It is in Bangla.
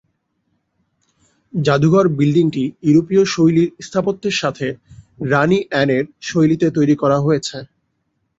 জাদুঘর বিল্ডিংটি ইউরোপীয়-শৈলীর স্থাপত্যের সাথে রাণী অ্যানের শৈলীতে তৈরি করা হয়েছে।